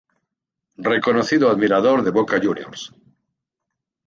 Reconocido admirador de Boca Jrs.